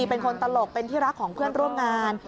เป็นคนตลกเป็นที่รักของเพื่อนร่วมงาน